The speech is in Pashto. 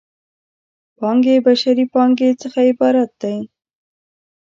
پانګې بشري پانګې څخه عبارت دی.